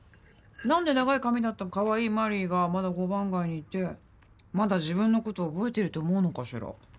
何で長い髪だったカワイイマリーがまだ五番街にいてまだ自分のことを覚えていると思うのかしら。